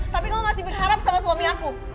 tapi kamu masih berharap sama suami aku